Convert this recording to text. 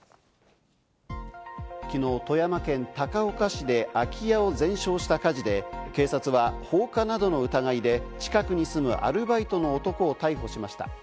昨日、富山県高岡市で空き家を全焼した火事で、警察は放火などの疑いで近くに住むアルバイトの男を逮捕しました。